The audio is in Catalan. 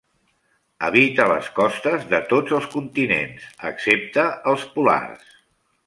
Habita les costes de tots els continents, excepte els polars.